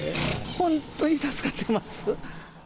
本当に助かってます。